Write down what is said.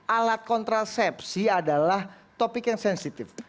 alat kontrasepsi adalah topik yang sensitif